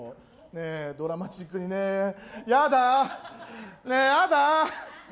ドラマチックにねえ、嫌だ、ねえ、嫌だ。